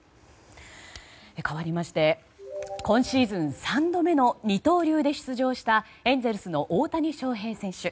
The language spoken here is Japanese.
かわりまして今シーズン３度目の二刀流で出場したエンゼルスの大谷翔平選手。